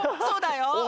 そうだよ。